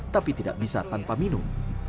tapi tidak bisa tanpa minum